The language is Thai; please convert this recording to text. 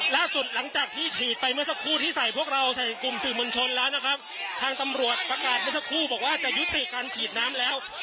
หลังจากที่ฉีดไปเมื่อสักครู่ที่ใส่พวกเราใส่กลุ่มสื่อมวลชนแล้วนะครับทางตำรวจประกาศเมื่อสักครู่บอกว่าจะยุติการฉีดน้ำแล้ว